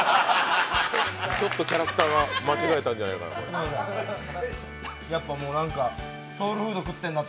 ちょっとキャラクターが間違えてるんじゃないかなって。